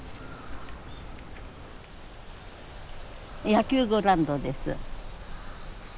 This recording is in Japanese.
野球グラウンドです。